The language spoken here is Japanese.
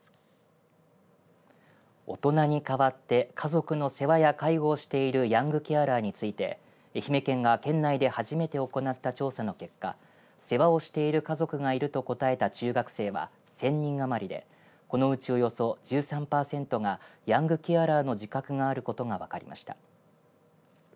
大人に代わって家族の世話や介護をしているヤングケアラーについて愛媛県が県内で初めて行った調査の結果世話をしている家族がいると答えた中学生は１０００人余りで、このうちおよそ１３パーセントがヤングケアラーの自覚があることが分かりました。